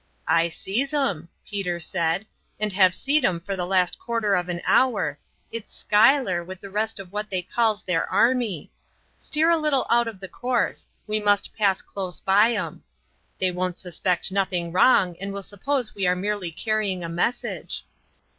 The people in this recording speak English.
"I sees 'em," Peter said, "and have seed 'em for the last quarter of an hour. It's Schuyler, with the rest of what they calls their army. Steer a little out of the course; we must pass close by 'em. They won't suspect nothing wrong and will suppose we are merely carrying a message."